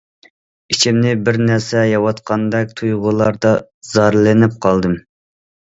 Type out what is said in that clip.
ئىچىمنى بىر نەرسە يەۋاتقاندەك تۇيغۇلاردا زارلىنىپ قالدىم.